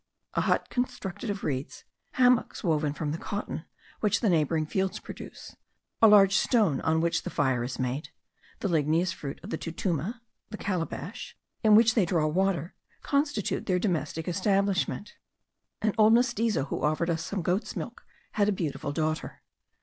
A hut constructed of reeds; hammocks woven from the cotton which the neighbouring fields produce; a large stone on which the fire is made; the ligneous fruit of the tutuma (the calabash) in which they draw water, constitute their domestic establishment. An old mestizo who offered us some goat's milk had a beautiful daughter.